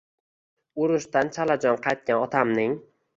Urushdan chalajon qaytgan otamning